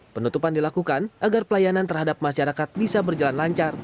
penutupan dilakukan agar pelayanan terhadap masyarakat bisa berjalan lancar